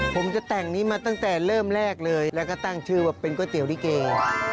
ผมจะแต่งนี้มาตั้งแต่เริ่มแรกเลยแล้วก็ตั้งชื่อว่าเป็นก๋วยเตี๋ยวลิเก